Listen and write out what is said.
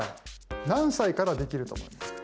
何歳からできると思いますか？